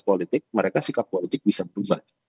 politik mereka sikap politik bisa berubah